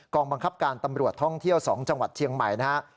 บังคับการตำรวจท่องเที่ยว๒จังหวัดเชียงใหม่นะครับ